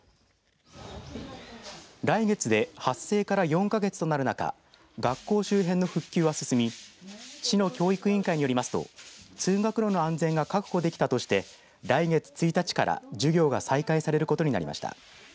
来月で発生から４か月となる中学校周辺の復旧は進み市の教育委員会によりますと通学路の安全が確保できたとして来月１日から授業が再開されることになりました。